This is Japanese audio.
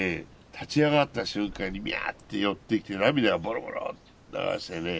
立ち上がった瞬間にミャーって寄ってきて涙がボロボローって流してね